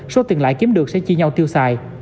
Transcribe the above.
số tiền lại kiếm được sẽ chia nhau tiêu xài